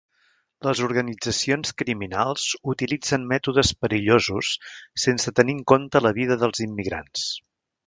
Les organitzacions criminals utilitzen mètodes perillosos sense tenir en compte la vida dels immigrants.